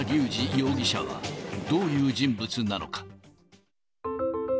容疑者は、どういう人物なのか。